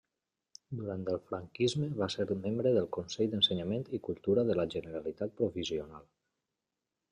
Durant el franquisme va ser membre del Consell d'Ensenyament i Cultura de la Generalitat provisional.